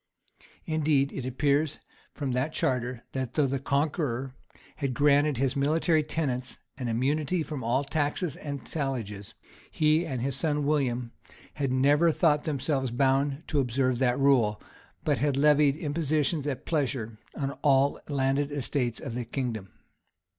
Indeed, it appears from that charter, that though the Conqueror had granted his military tenants an immunity from all taxes and talliages, he and his son William had never thought themselves bound to observe that rule, but had levied impositions at pleasure on all the landed estates of the kingdom.